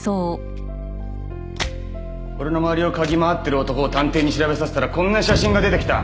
俺の周りを嗅ぎ回ってる男を探偵に調べさせたらこんな写真が出てきた。